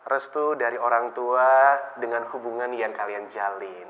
restu dari orang tua dengan hubungan yang kalian jalin